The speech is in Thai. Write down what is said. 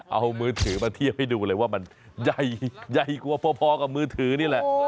เอามือถือมาเทียบให้ดูเลยว่ามันใหญ่กว่าพอกับมือถือนี่แหละ